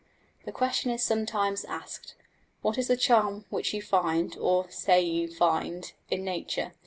The question is sometimes asked, What is the charm which you find, or say you find, in nature?